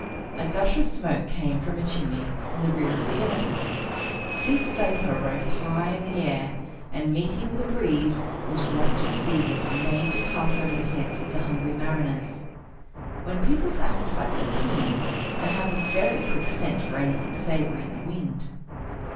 A gush of smoke came from a chimney in the rear of the edifice. This vapor rose high in the air, and, meeting with a breeze, was wafted seaward, and made to pass over the heads of the hungry mariners. When people's appetites are keen, they have a very quick scent for anything savory in the wind.